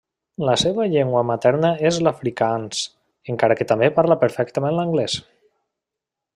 La seva llengua materna és l'afrikaans, encara que també parla perfectament l'anglès.